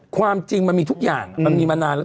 ความจริงมันมีทุกอย่างมันมีมานานแล้ว